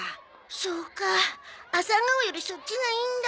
そうかアサガオよりそっちがいいんだ。